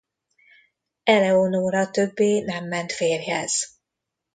Eleonóra többé nem ment férjhez.